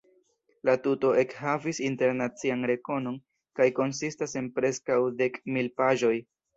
La tuto ekhavis internacian rekonon kaj konsistas en preskaŭ dek mil paĝoj.